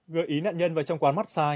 gợi ý nạn nhân vào trong quán massage